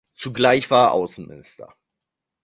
Zugleich war er Außenminister.